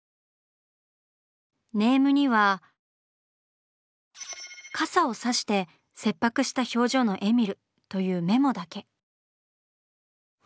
ネームには「傘をさして切迫した表情のえみる」というメモだけ。